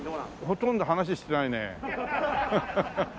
ほとんど話ししてないね。